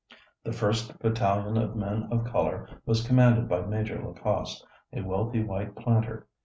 The first battalion of men of color was commanded by Major Lacoste, a wealthy white planter.